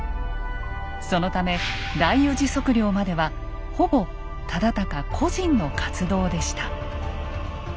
そのため第４次測量まではほぼ忠敬個人の活動でした。